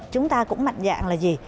chúng ta cũng mạnh dạng là gì